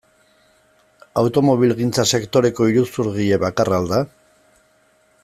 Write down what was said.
Automobilgintza sektoreko iruzurgile bakarra al da?